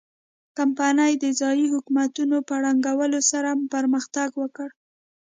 کمپنۍ د ځايي حکومتونو په ړنګولو سره پرمختګ وکړ.